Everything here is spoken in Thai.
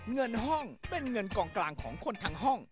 เงินห้องเป็นเงินกองกลางของคนทั้งห้อง